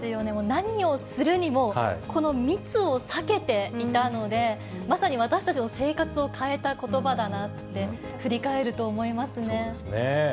何をするにも、この密を避けていたので、まさに私たちの生活を変えたことばだなそうですね。